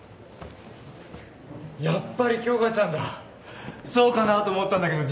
やっぱり杏花ちゃんだそうかなと思ったんだけど